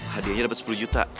hadiahnya dapet sepuluh juta